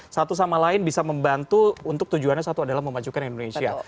satu sama lain bisa membantu untuk tujuannya satu adalah memajukan indonesia